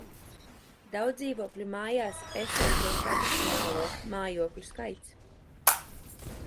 Daudzdzīvokļu mājās esošo tradicionālo mājokļu skaits